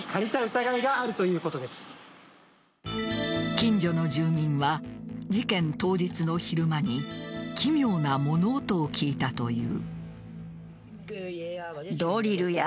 近所の住民は事件当日の昼間に奇妙な物音を聞いたという。